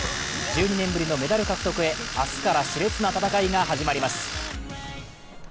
１２年ぶりのメダル獲得へ明日からしれつな戦いが始まります。